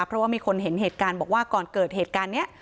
เพราะว่ามีคนเห็นเหตุการณ์บอกว่าก่อนเกิดเหตุการณ์นี้